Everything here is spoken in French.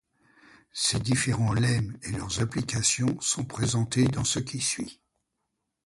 Ces différents lemmes et leurs applications sont présentés dans ce qui suit.